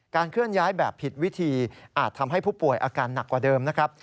เคลื่อนย้ายแบบผิดวิธีอาจทำให้ผู้ป่วยอาการหนักกว่าเดิมนะครับ